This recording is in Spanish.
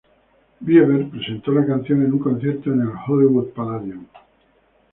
Bieber presentó la canción en un concierto en Hollywood Palladium.